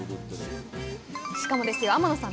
しかもですよ天野さん